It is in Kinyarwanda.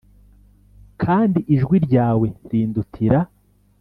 Kandi ijwi ryawe, rindutira